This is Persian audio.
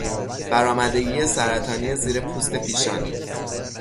برآمدگی سرطانی زیر پوست پیشانی